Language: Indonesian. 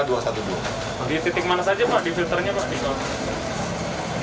di titik mana saja pak di filternya pak